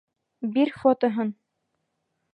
Бир фотоһын!